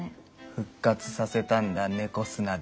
復活させたんだ猫砂で。